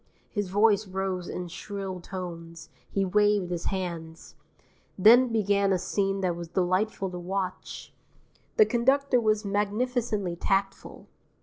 His voice rose in shrill tones, he waved his hands. Then began a scene that was delightful to watch. The conductor was magnificently tactful.